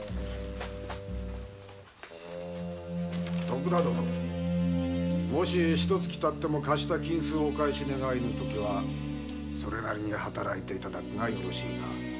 徳田殿もしひとつきたっても貸した金子をお返し願えぬ時はそれなりに働いて頂くがよろしいな。